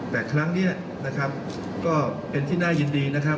แต่ครั้งนี้นะครับก็เป็นที่น่ายินดีนะครับ